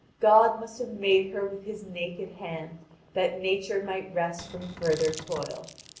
God must have made her with His naked hand that Nature might rest from further toil.